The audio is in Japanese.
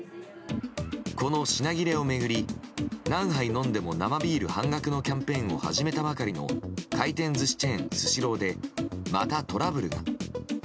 この品切れを巡り何杯飲んでも生ビール半額のキャンペーンを始めたばかりの回転寿司チェーン、スシローでまたトラブルが。